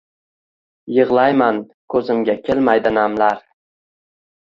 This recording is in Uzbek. Yig’layman — ko’zimga kelmaydi namlar